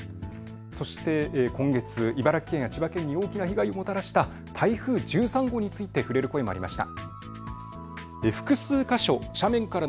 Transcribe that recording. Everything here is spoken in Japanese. そして今月、茨城県や千葉県に大きな被害をもたらした台風１３号について触れる声もありました。